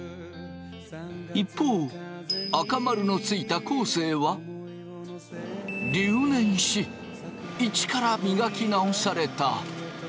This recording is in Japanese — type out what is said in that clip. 一方赤丸のついた昴生は留年し一から磨き直された。